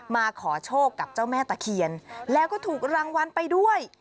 มาขอโชคกับเจ้าแม่ตะเคียนแล้วก็ถูกรางวัลไปด้วย